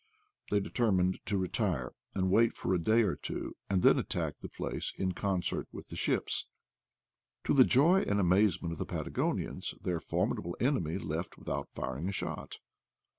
They determined to retire, and wait for a day or two, and then attack the place in con cert with the ships. To the joy and amazement of the Patagonians, their formidable enemy left without firing a shot.